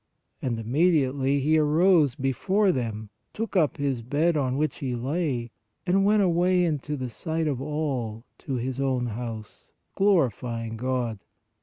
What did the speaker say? And immediately he arose before them, took up his bed on which he lay, and went away in the sight of all to his own house, glorifying God.